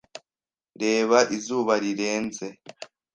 Reba izuba rirenze.